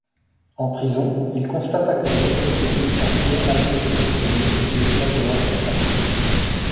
En prison, il constata que les autorités pénitentiaires maltraitaient les prisonniers, les flagellant fréquemment.